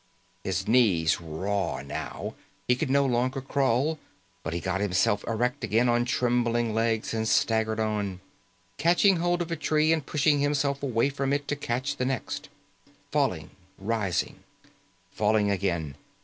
His knees raw now, he could no longer crawl. But he got himself erect again on trembling legs, and staggered on. Catching hold of a tree and pushing himself away from it to catch the next. Falling, rising, falling again.